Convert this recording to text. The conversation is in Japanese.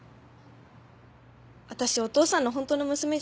私お父さんの本当の娘じゃないから。